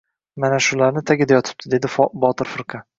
— Mana shularni «tagida yotibdi, — dedi Botir firqa.